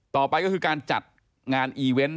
ต่อไปก็คือการจัดงานอีเวนต์